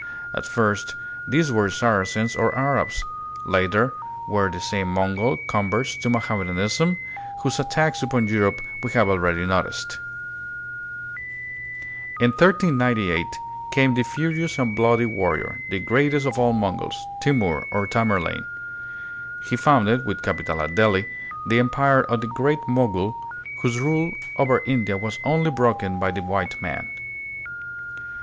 At first these were Saracens or Arabs; later they were the same Mongol converts to Mohammedanism, whose attacks upon Europe we have already noticed. In 1398 came the furious and bloody warrior, the greatest of all Mongols, Timour, or Tamerlane. He founded, with capital at Delhi, the empire of the Great Mogul, whose rule over India was only broken by the white man.